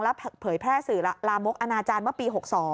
และเผยแพร่สื่อลำมกอาจารย์ว่าปี๗๒